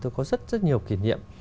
thì tôi có rất rất nhiều kỉ niệm